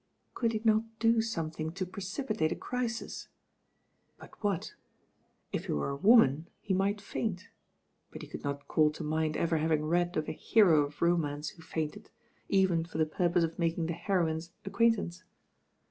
Could he not do something to precipitate a crisis? But what? If he were a woman he might faint; but he could not call to mind ever having read of a hero of romance who fainted, even for the purpose of making the heroine's ac quaintance.